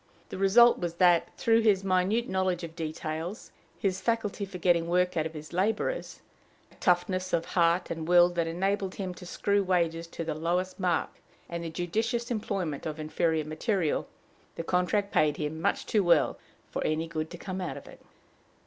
The result was that, through his minute knowledge of details, his faculty for getting work out of his laborers, a toughness of heart and will that enabled him to screw wages to the lowest mark, and the judicious employment of inferior material, the contract paid him much too well for any good to come out of it.